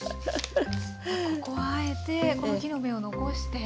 ここはあえてこの木の芽を残して。